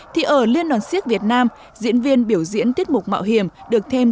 thì ở liên đoàn siếc việt nam diễn viên biểu diễn tiết mục mạo hiểm được thêm